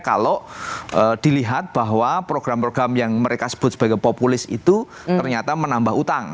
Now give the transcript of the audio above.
kalau dilihat bahwa program program yang mereka sebut sebagai populis itu ternyata menambah utang